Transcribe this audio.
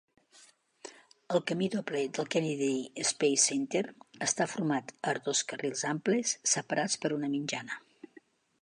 El camí doble del Kennedy Space Center està format er dos carrils amples, separats per una mitjana.